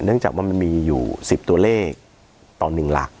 เนื่องจากมันมีอยู่๑๐ตัวเลขต่อหนึ่งหลัก